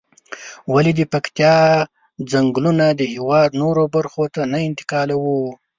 ولې د پکتيا ځنگلونه د هېواد نورو برخو ته نه انتقالوو؟